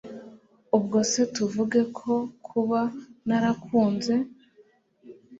ubwo se tuvuge ko kuba narakunze